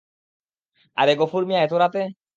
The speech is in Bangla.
আরে, গফুর মিয়া, এতো রাতে?